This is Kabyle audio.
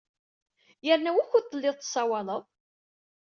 Yerna wukud telliḍ tessawaleḍ?